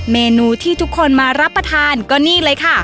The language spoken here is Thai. เมนูที่ทุกคนมารับประทานก็นี่เลยค่ะ